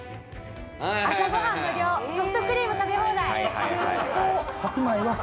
朝ご飯無料ソフトクリーム食べ放題。